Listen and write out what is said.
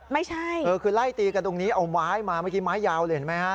ไม่ใช่เออคือไล่ตีกันตรงนี้เอาไม้มาเมื่อกี้ไม้ยาวเลยเห็นไหมฮะ